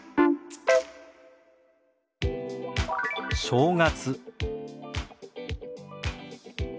「正月」。